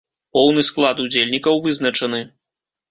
Поўны склад удзельнікаў вызначаны.